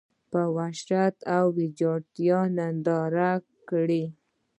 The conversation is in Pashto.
په وحشت دا ویجاړتیا ننداره کړه.